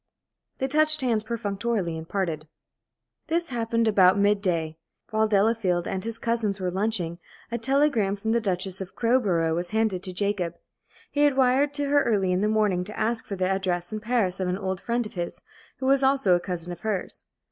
They touched hands perfunctorily and parted. This happened about mid day. While Delafield and his cousins were lunching, a telegram from the Duchess of Crowborough was handed to Jacob. He had wired to her early in the morning to ask for the address in Paris of an old friend of his, who was also a cousin of hers.